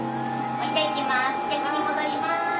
焼きに戻ります。